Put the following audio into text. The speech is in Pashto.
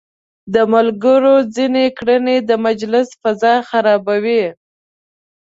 د ملګرو ځينې کړنې د مجلس فضا خرابوي.